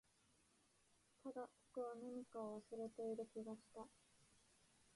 ただ、僕は何かを忘れている気がした